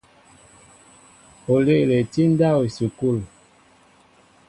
Oléele tí ndáw esukul.